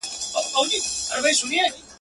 پر اسمان سپیني سپوږمیه د خدای روی مي دی دروړی!